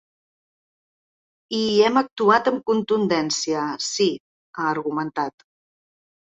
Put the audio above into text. I hi hem actuat amb contundència, sí, ha argumentat.